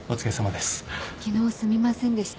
昨日すみませんでした。